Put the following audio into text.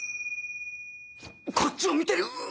こっちを見てる！